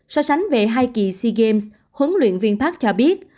so sánh về hai kỳ sea games huấn luyện viên park cho biết